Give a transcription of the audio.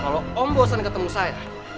kalau om bosan ketemu saya